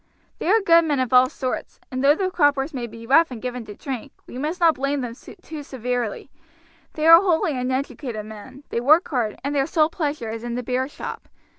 "There are good men of all sorts, and though the croppers may be rough and given to drink, we must not blame them too severely; they are wholly uneducated men, they work hard, and their sole pleasure is in the beer shop.